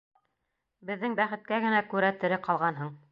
Беҙҙең бәхеткә генә күрә тере ҡалғанһың.